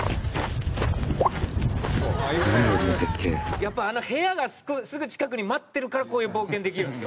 やっぱあの部屋がすぐ近くに待ってるからこういう冒険できるんですよ。